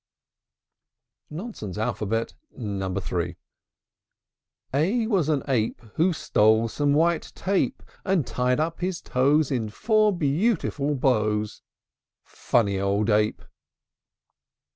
A A was an ape, Who stole some white tape, And tied up his toes In four beautiful bows. a! Funny old ape!